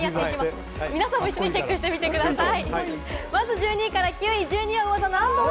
皆さんも一緒にチェックしてみてください。